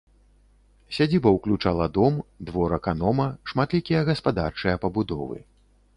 Сядзіба ўключала дом, двор аканома, шматлікія гаспадарчыя пабудовы.